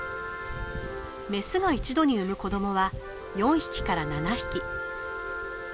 メスが一度に産む子どもは４匹から７匹。